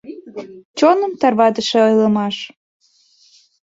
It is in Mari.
— Чоным тарватыше ойлымаш.